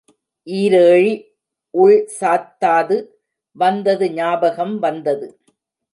இரேழி உள் சாத்தாது வந்தது ஞாபகம் வந்தது.